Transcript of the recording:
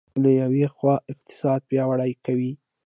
له یوې خوا اقتصاد پیاوړی کوي.